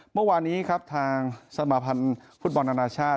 เมื่อวานนี้ครับทางสมาพันธ์ฟุตบอลอนาชาติ